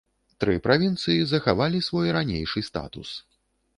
Тры правінцыі захавалі свой ранейшы статус.